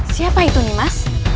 siapa itu nih mas